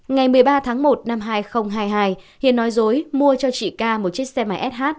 ngày một mươi ba tháng một năm hai nghìn hai mươi hai hiền nói dối mua cho chị ca một chiếc xe máy sh